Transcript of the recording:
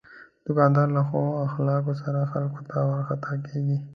دوکاندار له ښو اخلاقو سره خلکو ته ورخطا کېږي.